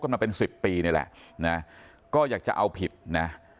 มาเป็นสิบปีนี่แหละนะก็อยากจะเอาผิดนะ